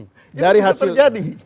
itu sudah terjadi